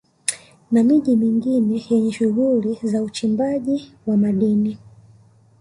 Na miji mingine yenye shughuli za uchimbaji wa madini